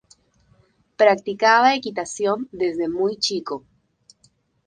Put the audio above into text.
Practicaba equitación desde muy chico.